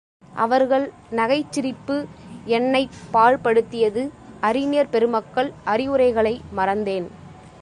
அவர்கள் நகைச்சிரிப்பு என்னைப் பாழ்படுத்தியது அறிஞர் பெருமக்கள் அறிவுரை களை மறந்தேன்.